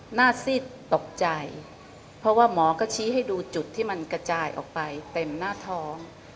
ซิดตกใจเพราะว่าหมอก็ชี้ให้ดูจุดที่มันกระจายออกไปเต็มหน้าท้อง